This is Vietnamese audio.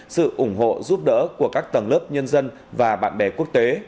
sự ủng hộ giúp đỡ của các tầng lớp nhân dân và bạn bè quốc tế